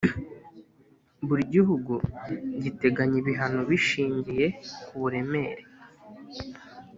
Buri gihugu giteganya ibihano bishingiye ku buremere